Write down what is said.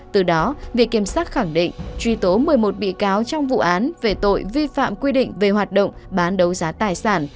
từ đó viện kiểm sát khẳng định truy tố một mươi một bị cáo trong vụ án về tội vi phạm quy định về hoạt động bán đấu giá tài sản